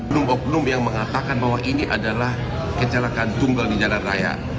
oknum oknum yang mengatakan bahwa ini adalah kecelakaan tunggal di jalan raya